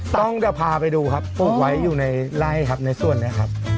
ต้องจะพาไปดูครับปลูกไว้อยู่ในไล่ครับในส่วนนี้ครับ